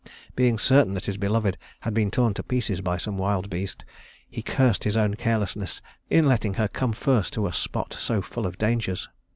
Being certain that his beloved had been torn to pieces by some wild beast, he cursed his own carelessness in letting her come first to a spot so full of dangers.